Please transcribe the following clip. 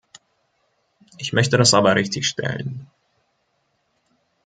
Ich möchte das aber richtigstellen.